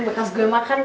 bekas gue makan mau